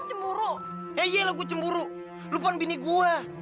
iya lah gue cemburu lu pun bini gue